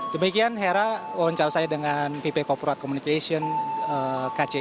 demikian hera wawancara saya dengan vp corporate communication kc